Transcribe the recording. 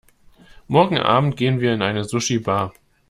Morgenabend gehen wir in eine Sushibar.